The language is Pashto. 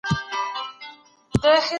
ګاونډیانو به د انسان د ژوند حق خوندي کاوه.